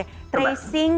itu yang harus dikejar